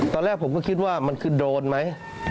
ตอนแรกผมก็คิดว่ามันคือโดรนไหม